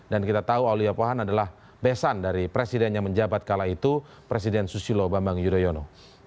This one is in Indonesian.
dan kita tahu aulia pohan adalah besan dari presiden yang menjabat kala itu presiden susilo bambang yudhoyono